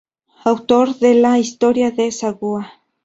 Autor de "La Historia de Sagua".